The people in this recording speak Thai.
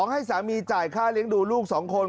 ให้สามีจ่ายค่าเลี้ยงดูลูก๒คน